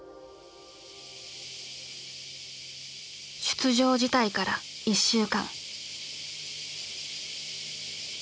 出場辞退から１週間。